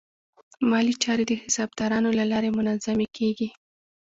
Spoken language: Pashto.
مالي چارې د حسابدارانو له لارې منظمې کېږي.